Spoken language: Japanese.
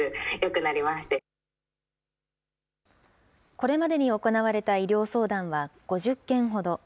これまでに行われた医療相談は５０件ほど。